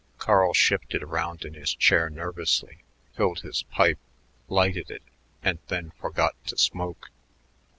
Carl shifted around in his chair nervously, filled his pipe, lighted it, and then forgot to smoke.